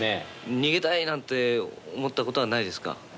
逃げたいなんて思ったことはないですか？